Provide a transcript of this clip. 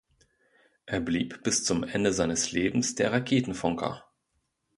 Er blieb bis zum Ende seines Lebens der „Raketenfunker“.